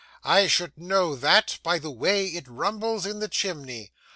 I should know that, by the way it rumbles in the chimney.